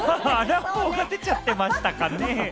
出ちゃってましたかね。